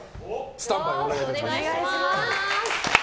スタンバイお願いします。